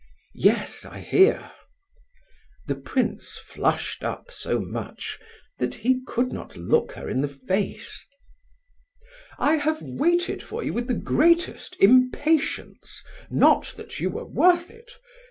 "Yes, I hear." The prince flushed up so much that he could not look her in the face. "I have waited for you with the greatest impatience (not that you were worth it).